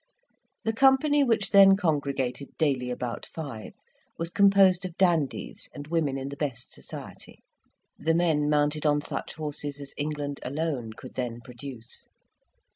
The company which then congregated daily about five, was composed of dandies and women in the best society; the men mounted on such horses as England alone could then produce.